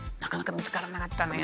見つからなかった？